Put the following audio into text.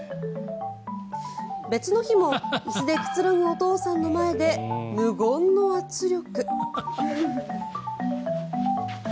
別の日も、椅子でくつろぐお父さんの前で無言の圧力。